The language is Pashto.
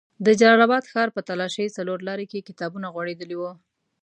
د جلال اباد ښار په تالاشۍ څلور لاري کې کتابونه غوړېدلي وو.